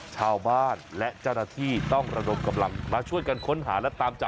ชาวบ้านและเจ้าหน้าที่ต้องระดมกำลังมาช่วยกันค้นหาและตามจับ